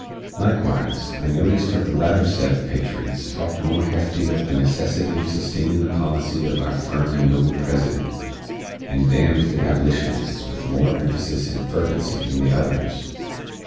Likewise, I notist that the latter set uv patriots talked more hefty uv the necessity uv sustainin the policy uv our firm and noble President, and damned the Ablishunists with more emphasis and fervency than the others.